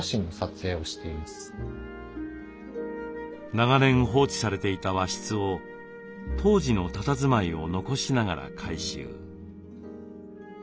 長年放置されていた和室を当時のたたずまいを残しながら改修。